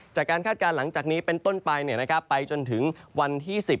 คาดการณ์หลังจากนี้เป็นต้นไปไปจนถึงวันที่๑๐